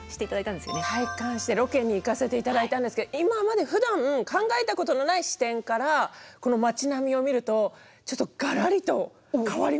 体感してロケに行かせて頂いたんですが今までふだん考えたことのない視点からこの町並みを見るとちょっとがらりと変わりました。